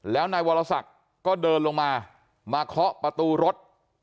แล้วนายวรศักดิ์ก็เดินลงมามาเคาะประตูรถ